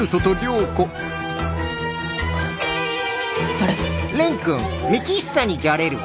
あれ？